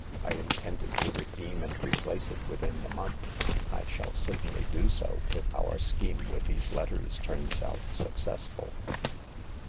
I intended to redeem and replace it within the month. I shall certainly do so, if our scheme with these letters turns out successful."